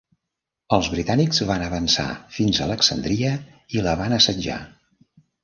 Els britànics van avançar fins a Alexandria i la van assetjar.